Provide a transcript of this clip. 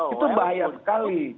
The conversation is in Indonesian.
itu bahaya sekali